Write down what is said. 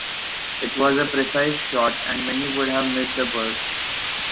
It was a precise shot, and many would have missed the bird.